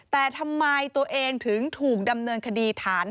แต่ทำไมตัวเองถึงถูกดำเนินคดีฐาน